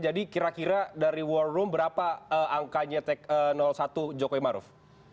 jadi kira kira dari war room berapa angkanya tek satu jokowi maruf